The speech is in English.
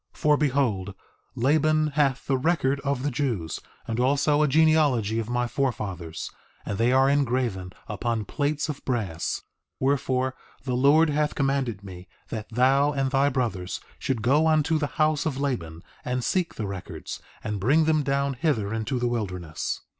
3:3 For behold, Laban hath the record of the Jews and also a genealogy of my forefathers, and they are engraven upon plates of brass. 3:4 Wherefore, the Lord hath commanded me that thou and thy brothers should go unto the house of Laban, and seek the records, and bring them down hither into the wilderness.